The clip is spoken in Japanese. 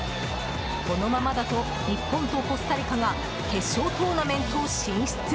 このままだと日本とコスタリカが決勝トーナメント進出。